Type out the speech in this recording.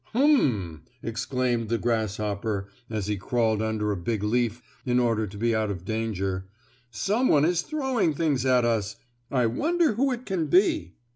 "Hum!" exclaimed the grasshopper, as he crawled under a big leaf in order to be out of danger, "some one is throwing things at us. I wonder who it can be?"